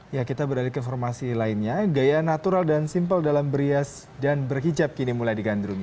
ya kita berhari ke formasi lainnya gaya natural dan simple dalam berias dan berkijap kini mulai digandrungi